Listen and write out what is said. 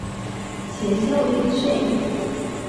Силсәүит, шәй...